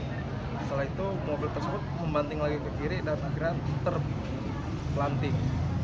setelah itu mobil tersebut membanting lagi ke kiri dan akhirnya terlanting